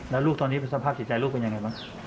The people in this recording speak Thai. แล้วลูกตอนนี้สภาพจิตใจลูกเป็นยังไงบ้าง